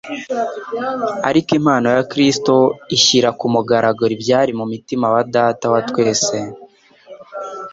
Ariko impano ya Kristo ishyira ku mugaragaro ibyari mu mutima wa Data wa twese